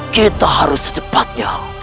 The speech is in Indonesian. kita harus secepatnya